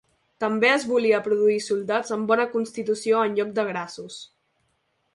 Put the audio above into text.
També es volia produir soldats amb bona constitució en lloc de grassos.